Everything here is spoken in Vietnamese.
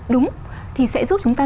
đúng thì sẽ giúp chúng ta